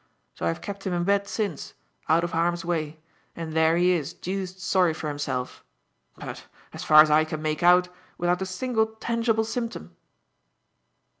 So I've kept him in bed since, out of harm's way; and there he is, deuced sorry for himself but, as far as I can make out, without a single tangible symptom."